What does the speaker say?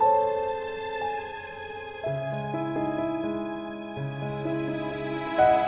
lama banget keisha